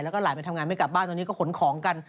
แล้วก็หลานไปทำงานไม่กลับบ้านตอนนี้ก็ขนของกัน